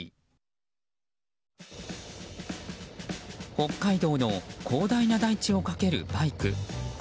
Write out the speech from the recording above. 北海道の広大な大地を駆けるバイク。